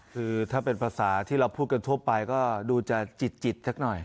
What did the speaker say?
คือถ้าเป็นภาษาที่เราพูดกันทั่วไปก็ดูจะจิตสักหน่อย